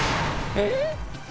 えっ？